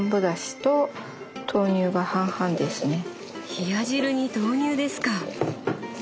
冷や汁に豆乳ですか！